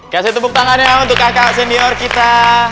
kasih tepuk tangannya untuk kakak senior kita